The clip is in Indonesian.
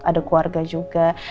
ada keluarga juga